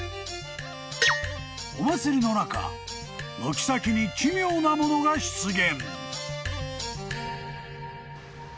［お祭りの中軒先に奇妙なものが出現］